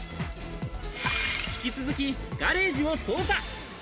引き続き、ガレージを捜査。